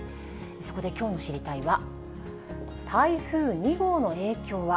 そこできょうの知りたいッ！は台風２号の影響は。